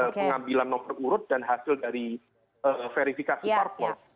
ada pengambilan nomor urut dan hasil dari verifikasi parpol